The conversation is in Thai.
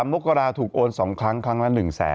๑๓มกราศาสน์ถูกโอน๒ครั้งครั้งละ๑๐๐๐๐๐